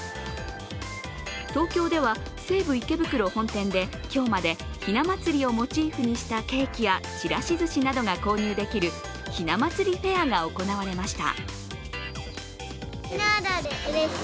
東京では西武池袋本店で今日までひな祭りをモチーフにしたケーキやちらしずしなどが購入できるひな祭りフェアが行われました。